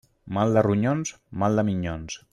Mal de ronyons, mal de minyons.